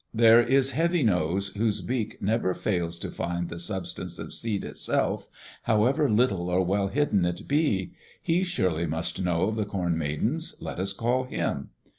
"There is Heavy nose, whose beak never fails to find the substance of seed itself, however little or well hidden it be. He surely must know of the Corn Maidens. Let us call him."